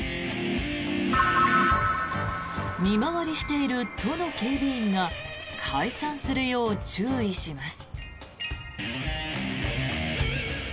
見回りしている都の警備員が解散するよう注意します。